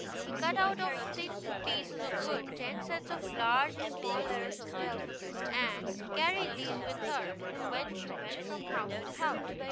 She cut out of thin pieces of wood ten sets of large and small letters of the alphabet, and carried these with her when she went from house to house.